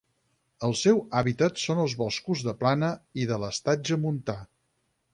El seu hàbitat són els boscos de plana i de l'estatge montà.